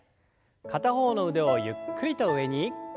片方の腕をゆっくりと上に。